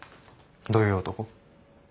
どういう男？